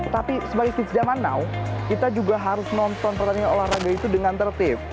tapi sebagai fitch zaman now kita juga harus nonton pertandingan olahraga itu dengan tertib